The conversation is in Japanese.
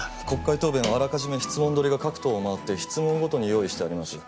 国会答弁はあらかじめ質問取りが各党を回って質問ごとに用意してあります。